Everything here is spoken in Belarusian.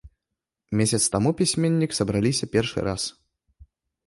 Месяц таму пісьменнік сабраліся першы раз.